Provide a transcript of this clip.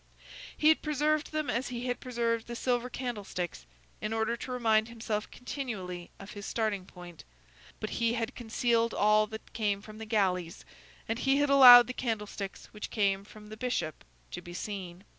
He had preserved them as he had preserved the silver candlesticks, in order to remind himself continually of his starting point, but he had concealed all that came from the galleys, and he had allowed the candlesticks which came from the Bishop to be seen.